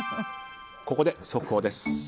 ここで速報です。